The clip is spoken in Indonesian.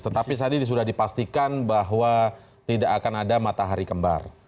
tetapi tadi sudah dipastikan bahwa tidak akan ada matahari kembar